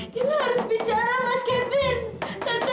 kita harus bicara mas kevin